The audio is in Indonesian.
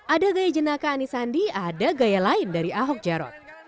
ada gaya jenaka anies sandi ada gaya lain dari ahok jarot